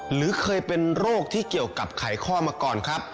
หรือเคยเป็นโรคที่เกี่ยวกับไขข้อมาก่อนครับ